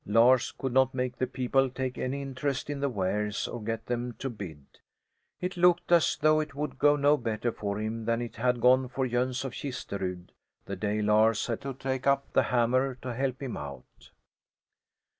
Lars could not make the people take any interest in the wares, or get them to bid. It looked as though it would go no better for him than it had gone for Jöns of Kisterud the day Lars had to take up the hammer to help him out.